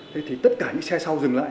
thì tất cả những xe sau dừng lại